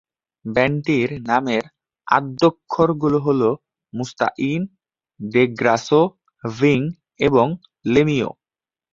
ব্যান্ডটির নামের আদ্যক্ষরগুলো হল: মুস্তাইন, ডেগ্রাসো, ভিং এবং লেমিও।